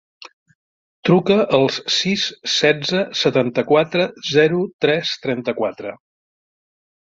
Truca al sis, setze, setanta-quatre, zero, tres, trenta-quatre.